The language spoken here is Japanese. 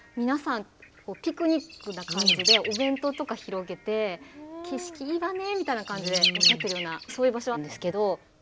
ピクニックな感じでお弁当とか広げて「景色いいわね」みたいな感じでおっしゃってるようなそういう場所なんですけど。